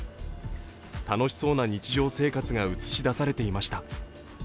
楽しそうな日常生活が映し出されていました。